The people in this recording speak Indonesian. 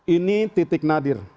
ini titik nadir